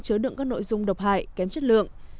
chứa đựng các nội dung độc hại kém chất lượng